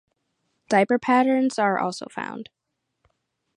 Diaper patterns are also found.